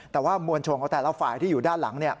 แต่ว่ามวลชนของแต่ละฝ่ายที่อยู่ด้านหลัง